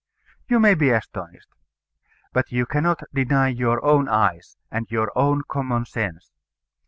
You may be astonished: but you cannot deny your own eyes, and your own common sense.